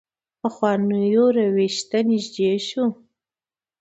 پخوانو روش ته نږدې شو.